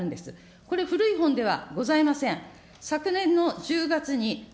これ古い本ではございません。